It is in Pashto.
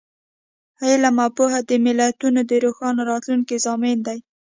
علم او پوهه د ملتونو د روښانه راتلونکي ضامن دی.